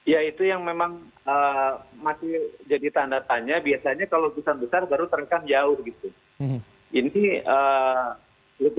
ya itu yang memang masih jadi tanda tanya biasanya kalau lukisan besar baru terenggam jauh gitu